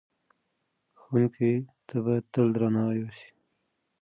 ښوونکو ته باید تل درناوی وسي.